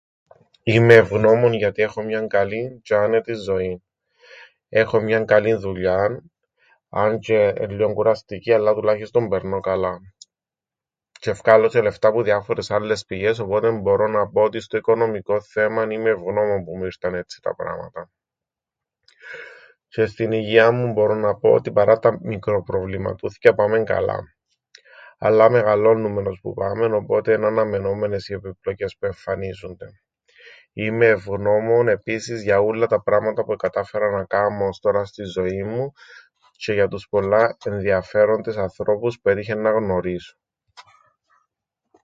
Είμαι ευγνώμων γιατί έχω μιαν καλήν τζ̆αι άνετην ζωήν. Έχω μιαν καλήν δουλειάν, αν τζ̆αι εν' λλίον κουραστική αλλά τουλάχιστον περνώ καλά. Τζ̆αι φκάλλω τζ̆αι λεφτά που διάφορες άλλες πηγές, οπότε μπορώ να πω ότι στο οικονομικόν θεμαν είμαι ευγνώμων που μου ήρταν έτσι τα πράματα. Τζ̆αι στην υγείαν μου μπορώ να πω ότι παρά τα μικροπροβληματούθκια πάμεν καλά. Αλλά μεγαλώννουμεν ώσπου πάμεν οπότε εν' αναμενόμενες οι επιπλοκές που εμφανίζουνται. Είμαι ευγνώμων επίσης για ούλλα τα πράματα που εκατάφερα να κάμω ώς τωρά στην ζωήν μου, τζ̆αι για τους πολλά ενδιαφέροντες ανθρώπους που έτυχεν να γνωρίσω.